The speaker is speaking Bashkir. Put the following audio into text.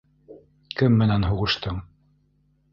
- Кем менән һуғыштың?!